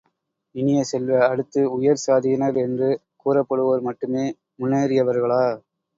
இனிய செல்வ, அடுத்து உயர் சாதியினர் என்று கூறப்படுவோர் மட்டுமே முன்னேறியவர்களா?